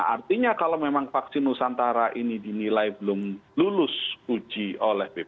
artinya kalau memang vaksin nusantara ini dinilai belum lulus uji oleh bpjs